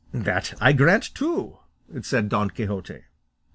"That I grant, too," said Don Quixote.